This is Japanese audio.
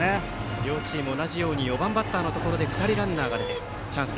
両チーム同じように４番バッターのところで２人、ランナーが出てチャンス。